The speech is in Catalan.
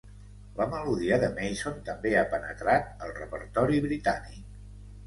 La melodia de Mason també ha penetrat el repertori britànic.